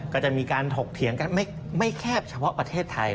ก็จะมีการถกเถียงกันไม่แคบเฉพาะประเทศไทย